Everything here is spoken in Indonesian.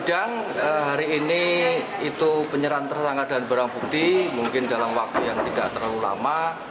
sidang hari ini itu penyerahan tersangka dan barang bukti mungkin dalam waktu yang tidak terlalu lama